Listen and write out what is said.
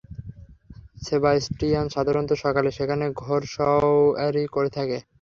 Sebastian সাধারণত সকালে সেখানে ঘোরসওয়ারি করে থাকে।